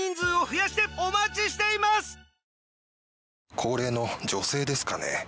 高齢の女性ですかね。